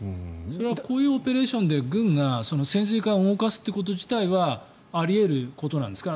それはこういうオペレーションで軍が潜水艦を動かすこと自体はあり得ることなんですか？